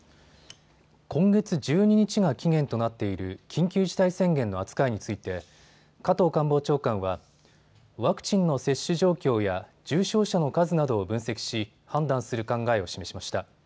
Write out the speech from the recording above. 今月１２日が期限となっている緊急事態宣言の扱いについて加藤官房長官は、ワクチンの接種状況や重症者の数などを分析し、判断する考えを示しました。